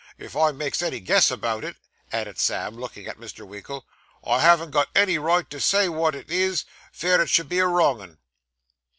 If I makes any guess about it,' added Sam, looking at Mr. Winkle, 'I haven't got any right to say what it is, 'fear it should be a wrong 'un.